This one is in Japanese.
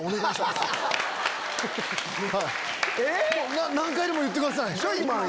えっ⁉何回でも言ってください。